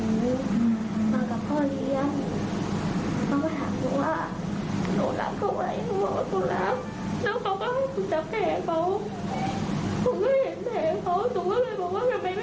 อุ้โหน้องสาวเจ็บจังเลย